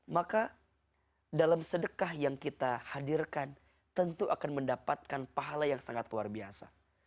maka dalam sedekah yang kita hadirkan tentu akan mendapatkan pahala yang sangat luar biasa